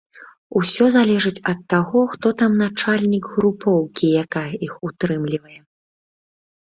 Усё залежыць ад таго, хто там начальнік групоўкі, якая іх утрымлівае.